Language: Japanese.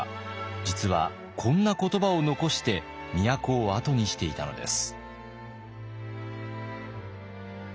実はこんな言葉を残して都を後にしていたのです。